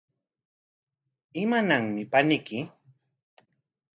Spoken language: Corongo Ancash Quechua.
¿Imananmi paniyki?